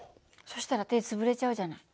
そしたら手潰れちゃうじゃない。